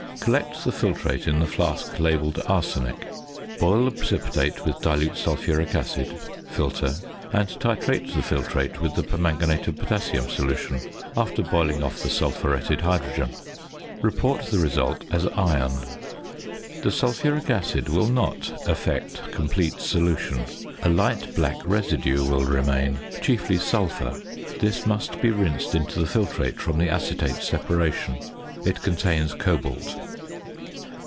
Collect the filtrate in the flask labelled "arsenic." Boil the precipitate with dilute sulphuric acid, filter, and titrate the filtrate with the permanganate of potassium solution after boiling off the sulphuretted hydrogen. Report the result as iron. The sulphuric acid will not effect complete solution, a light black residue will remain, chiefly sulphur; this must be rinsed into the filtrate from the acetate separation. It contains cobalt.